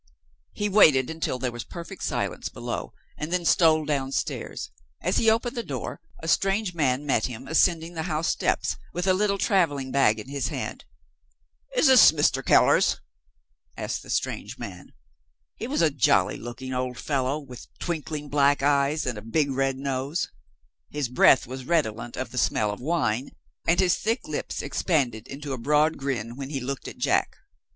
He waited until there was perfect silence below, and then stole downstairs. As he opened the door, a strange man met him, ascending the house steps, with a little traveling bag in his hand. "Is this Mr. Keller's?" asked the strange man. He was a jolly looking old fellow with twinkling black eyes and a big red nose. His breath was redolent of the smell of wine, and his thick lips expanded into a broad grin, when he looked at Jack.